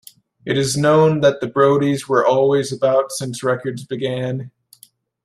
It is known that the Brodies were always about since records began.